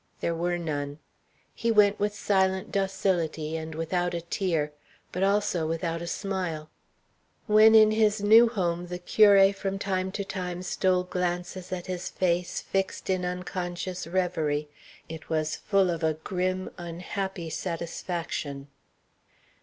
There were none. He went with silent docility, and without a tear; but also without a smile. When in his new home the curé from time to time stole glances at his face fixed in unconscious revery, it was full of a grim, unhappy satisfaction.